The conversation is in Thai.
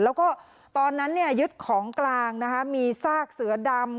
แล้วก็ตอนนั้นเนี่ยยึดของกลางนะคะมีซากเสือดำ